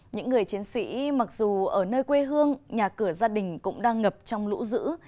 những người chiến sĩ mặc dù ở nơi quê hương nhà cửa gia đình cũng đang ngập trong lũ dữ